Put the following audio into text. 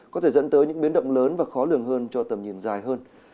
có thể dẫn tới những biến động lớn và khó lường hơn cho tầm nhìn dài hơn